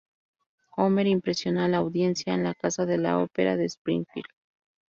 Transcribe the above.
Homer impresiona a la audiencia en la Casa de la Ópera de Springfield.